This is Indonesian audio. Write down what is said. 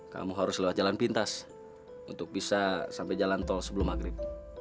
kamu harus lewat jalan pintas untuk bisa sampai jalan tol sebelum maghrib